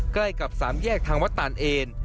ใกล้กับสามแยกทางวัดตานเอน